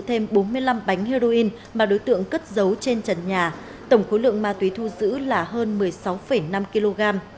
thêm bốn mươi năm bánh heroin mà đối tượng cất dấu trên trần nhà tổng khối lượng ma túy thu giữ là hơn một mươi sáu năm kg